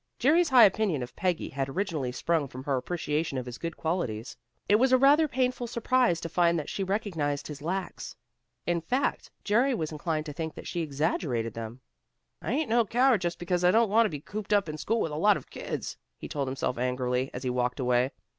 Jerry's high opinion of Peggy had originally sprung from her appreciation of his good qualities. It was a rather painful surprise to find that she recognized his lacks. In fact, Jerry was inclined to think that she exaggerated them. "I ain't no coward, just because I don't want to be cooped up in school with a lot of kids," he told himself angrily, as he walked away.